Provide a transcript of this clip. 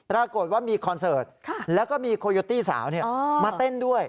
ปรากฏว่ามีคอนเสิร์ตแล้วก็มีโคโยตี้สาวมาเต้นด้วย